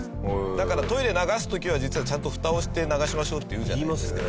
だからトイレ流す時は実はちゃんとフタをして流しましょうっていうじゃない。